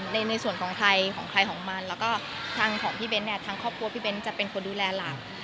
ในส่วนของใครของใครของมันแล้วก็ทางของพี่เบ้นเนี่ยทางครอบครัวพี่เบ้นจะเป็นคนดูแลหลาน